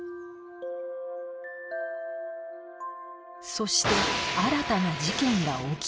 そして新たな事件が起きた